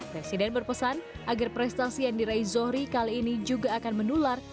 presiden berpesan agar prestasi yang diraih zohri kali ini juga akan menular